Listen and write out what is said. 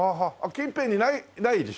近辺にないでしょ？